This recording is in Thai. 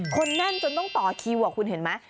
คนแน่นจนต้องต่อคีย์วคุณเห็นมั้ย